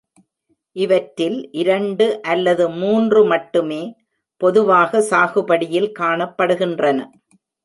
இவற்றில் இரண்டு அல்லது மூன்று மட்டுமே பொதுவாக சாகுபடியில் காணப்படுகின்றன.